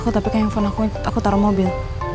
aku tapi kayaknya yang aku taruh mobil